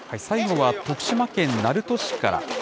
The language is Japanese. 最後は徳島県鳴門市から。